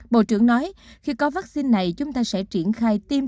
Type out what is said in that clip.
bộ trưởng nói khi có vaccine này chúng ta sẽ triển khai tiêm